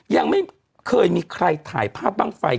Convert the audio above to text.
ยังไม่เคยมีใครถ่ายภาพบ้างไฟ